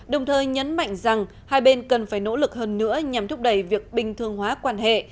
đồng thời nhấn mạnh rằng hai bên cần phải nỗ lực hơn nữa nhằm thúc đẩy việc bình thường hóa quan hệ